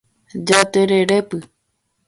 Jatererépy